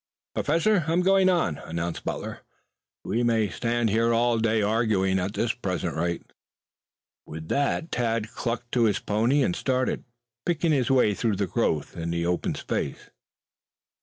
"Professor, I'm going on," announced Butler. "We may stand here all day arguing at the present rate." With that Tad clucked to his pony and started, picking his way through the growth in the open space.